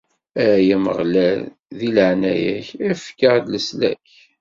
Ay Ameɣlal, di leɛnaya-k, efk-d leslak!